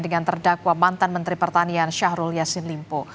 dengan terdakwa mantan menteri pertanian syahrul yassin limpo